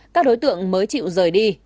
các đối tượng mới chịu rời đi